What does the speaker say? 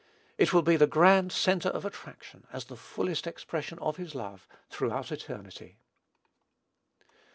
It will be the grand centre of attraction, as the fullest expression of his love, throughout eternity."